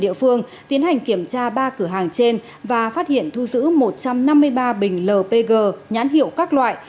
địa phương tiến hành kiểm tra ba cửa hàng trên và phát hiện thu giữ một trăm năm mươi ba bình lpg nhãn hiệu các loại